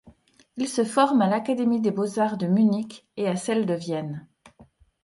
Il se forme à l'Académie des Beaux-Arts de Munich et à celle de Vienne.